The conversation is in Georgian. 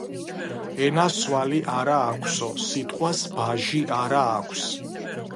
ენას ძვალი არა აქვსო, სიტყვას ბაჟი არა აქვს